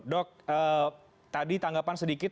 dok tadi tanggapan sedikit